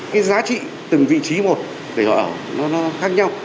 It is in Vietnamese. cái giá trị từng vị trí một về họ ở nó khác nhau